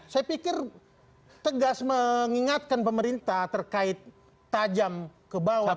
saya pikir tegas mengingatkan pemerintah terkait tajam ke bawah